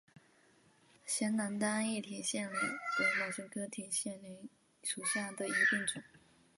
陕南单叶铁线莲为毛茛科铁线莲属下的一个变种。